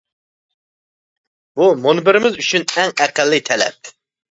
بۇ، مۇنبىرىمىز ئۈچۈن ئەڭ ئەقەللىي تەلەپ.